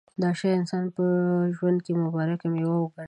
دا شی د انسانانو په ژوند کې مبارکه مېوه وګڼله.